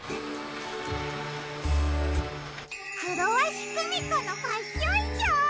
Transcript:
クロワシクミコのファッションショー？